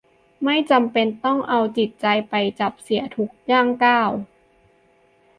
ไม่จำเป็นต้องเอาจิตใจไปจับเสียทุกย่างก้าว